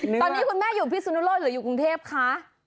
ตอนนี้คุณแม่อยู่พิสุนุโลกหรืออยู่กรุงเทพคะ